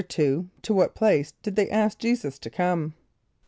= To what place did they ask J[=e]´[s+]us to come?